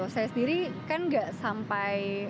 saya sendiri kan gak sampai